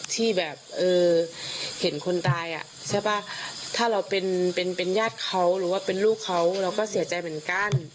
ที่แบบเออเห็นคนตายอ่ะใช่ป่ะถ้าเราเป็นญาติเขาหรือว่าเป็นลูกเขาเราก็เสียใจเหมือนกัน